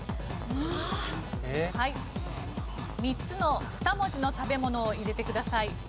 ３つの２文字の食べ物を入れてください。